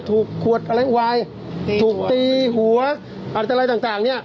ถูกขวดอะไรวายถูกตีหัวอะไรต่างต่างเนี้ย